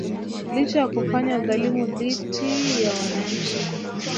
licha ya kufanya udhalimu dhiti ya wananchi